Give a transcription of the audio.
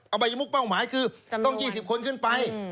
บายมุกเป้าหมายคือต้อง๒๐คนขึ้นไป